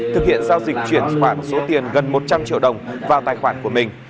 thực hiện giao dịch chuyển khoản số tiền gần một trăm linh triệu đồng vào tài khoản của mình